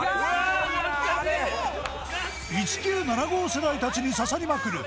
１９７５世代たちに刺さりまくる